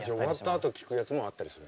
あと聴くやつもあったりする？